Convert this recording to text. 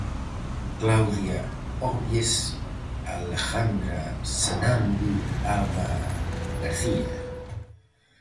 Claudia Ovies, Alejandra Senande, Alba García.